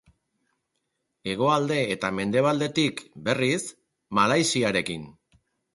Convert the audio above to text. Hegoalde eta mendebaldetik, berriz, Malaysiarekin.